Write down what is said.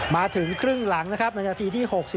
มาถึงครึ่งหลังนะครับในนาทีที่๖๔